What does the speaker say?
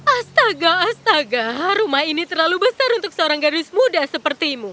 astaga astaga rumah ini terlalu besar untuk seorang gadis muda sepertimu